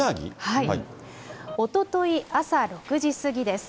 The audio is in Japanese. おととい朝６時過ぎです。